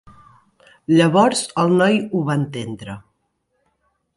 Llavors el noi ho va entendre.